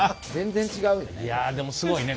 いやでもすごいね。